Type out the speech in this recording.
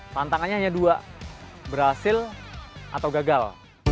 tantangannya hanya dua berhasil atau gagal